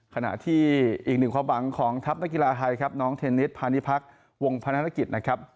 ขณะที่อีกหนึ่งความหวังของทัพนักกีฬาไทยครับน้องเทนนิสพาณิพักษ์วงพนักกิจนะครับ